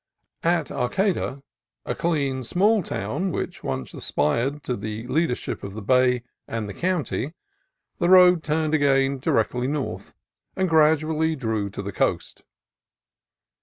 At Areata, a clean, small town which once aspired to the leadership of the bay and the county, the road turned again directly north and gradually drew to the coast.